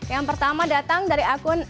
yang pertama datang dari akun